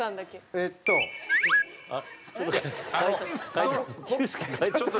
えっと。